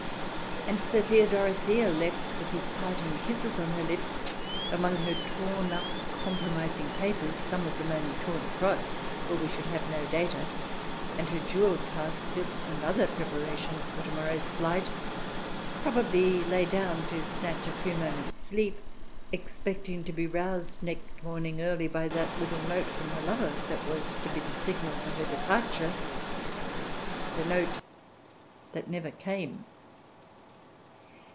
... And Sophia Dorothea left, with his parting kisses on her lips, among her torn up compromising papers — some of them only torn across, or we should have no data — and her jewel caskets, and other prepara tions for to morrow's flight, probably lay down to snatch a few moments' sleep, expecting to be roused next morning early by that little note from her lover that was to be the signal for her departure — the note that never came.